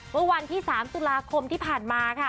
เมื่อวันที่๓ตุลาคมที่ผ่านมาค่ะ